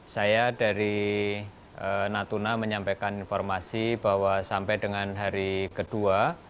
saya dari natuna menyampaikan informasi bahwa sampai dengan hari kedua